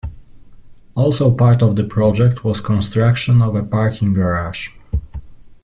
Also part of the project was construction of a parking garage.